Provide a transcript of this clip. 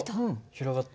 広がった。